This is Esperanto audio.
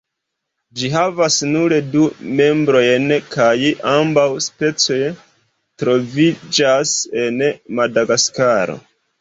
Ĝi havas nur du membrojn kaj ambaŭ specioj troviĝas en Madagaskaro.